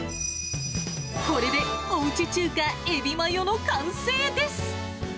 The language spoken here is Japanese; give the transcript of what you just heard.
これで、おうち中華、エビマヨの完成です。